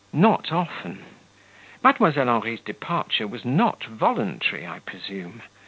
"Not often. Mdlle. Henri's departure was not voluntary, I presume?